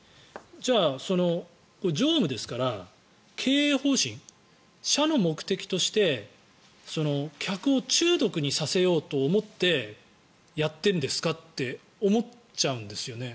じゃあ、常務ですから経営方針、社の目的として客を中毒にさせようと思ってやってるんですかって思っちゃうんですよね。